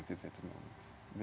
dan itu harus berkembang